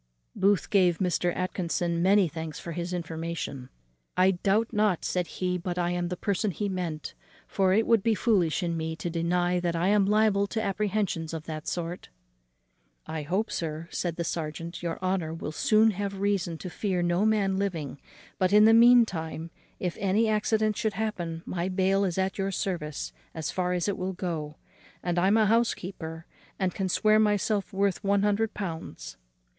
Booth gave Mr. Atkinson many thanks for his information. "I doubt not," said he, "but I am the person meant; for it would be foolish in me to deny that I am liable to apprehensions of that sort." "I hope, sir," said the serjeant, "your honour will soon have reason to fear no man living; but in the mean time, if any accident should happen, my bail is at your service as far as it will go; and I am a housekeeper, and can swear myself worth one hundred pounds."